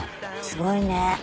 すごいね。